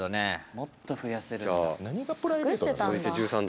もっと増やせるんだ。